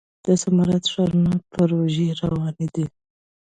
د سمارټ ښارونو پروژې روانې دي.